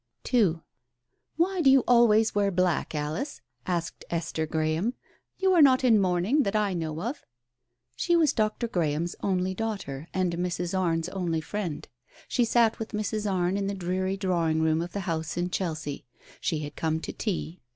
II " Why do you always wear black, Alice ?" asked Esther Graham, "You are not in mourning that I know of." She was Dr. Graham's only daughter and Mrs. Arne's only friend. She sat with Mrs. Arne in the dreary drawing room of the house in Chelsea. She had come to tea.